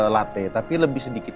latte tapi lebih sedikit